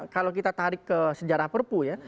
kalau kita tarik ke sejarah perpu ya